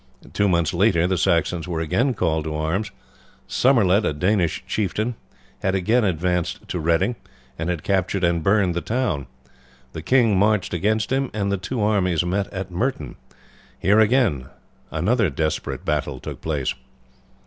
Two months later the Saxons were again called to arms. Somerled, a Danish chieftain, had again advanced to Reading, and had captured and burned the town. The king marched against him, and the two armies met at Merton. Here another desperate battle took place.